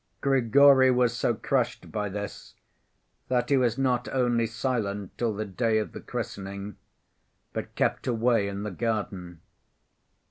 Grigory was so crushed by this, that he was not only silent till the day of the christening, but kept away in the garden.